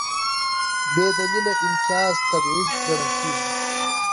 بېدلیله امتیاز تبعیض ګڼل کېږي.